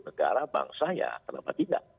negara bangsa ya kenapa tidak